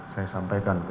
saya sampaikan ke